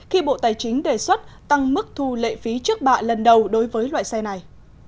khi bộ tài chính đề xuất tăng mức thu lệ phí trước bạ lần đầu đối với loại xe này